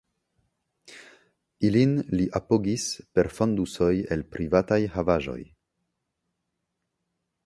Ilin li apogis per fondusoj el privataj havaĵoj.